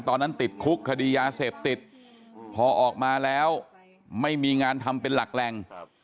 ตอนนั้นติดคุกคดียาเสพติดพอออกมาแล้วไม่มีงานทำเป็นหลักแหล่ง